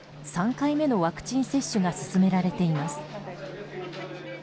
３回目のワクチン接種が進められています。